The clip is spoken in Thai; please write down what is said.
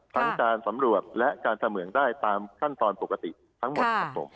การสำรวจและการเสมืองได้ตามขั้นตอนปกติทั้งหมดครับผม